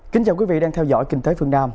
kính chào quý vị đang theo dõi kinh tế phương nam